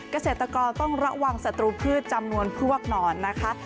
เกษตรกรต้องระวังศัตรูพืชจำนวนพวกนอนนะคะ